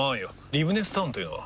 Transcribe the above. リブネスタウンというのは？